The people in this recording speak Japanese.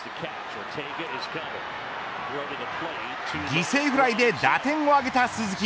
犠牲フライで打点を挙げた鈴木。